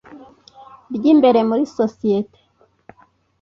ry imbere mu isosiyete